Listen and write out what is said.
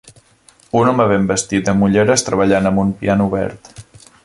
Un home ben vestit amb ulleres treballant amb un piano obert.